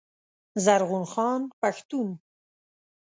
زرغون خان پښتون